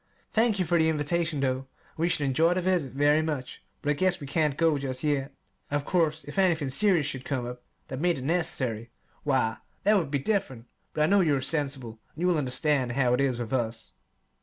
Thank you for the invitation, though, and we should enjoy the visit very much; but I guess we can't go just yet. Of course if anything serious should come up that made it necessary why, that would be different: but I know you are sensible, and will understand how it is with us.